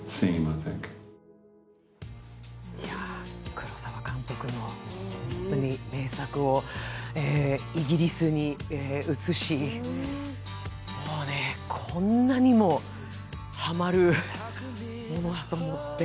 黒澤監督の本当に名作をイギリスに移し、もうね、こんなにもハマるものはと思って。